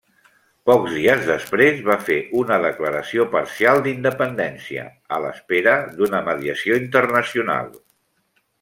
Pocs dies després va fer una declaració parcial d'independència, a l'espera d'una mediació internacional.